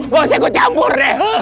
mau saya ke campur deh